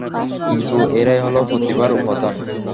কিন্তু এরাই হল প্রতিভার উপাদান।